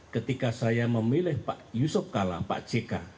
ketika saya memilih pak yusuf kala pak jk